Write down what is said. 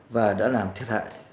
và đã làm thiệt hại